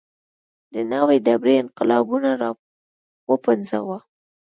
د نوې ډبرې انقلاب راوپنځاوه.